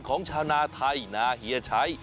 ของชาวนาไทยนาเฮียชัย